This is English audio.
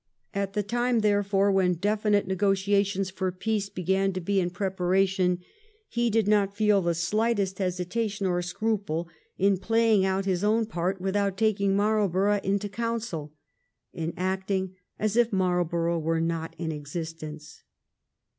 At the time, therefore, when definite negotia.tions for peace began to be in preparation, he did not feel the slightest hesitation or scruple in playing out his own part without taking Marlborough into counsel — in acting as if Marl borough were not in existence.